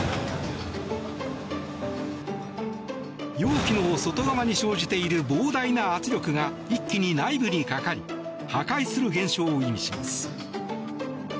容器の外側に生じている膨大な圧力が一気に内部にかかり破壊する現象を意味します。